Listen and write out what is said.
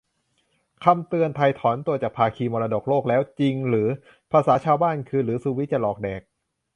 คำเตือน : ไทยถอนตัวจากภาคีมรดกโลกแล้วจริงหรือ ? ภาษาชาวบ้านคือ "หรือสุวิทย์จะหลอกแดก ?"